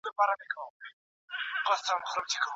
ايا بهرنی سياست تل د هيواد په ګټه نه وي؟